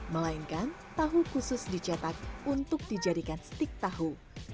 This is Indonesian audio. melainkan tahu khusus dicetak untuk dijadikan stik tahu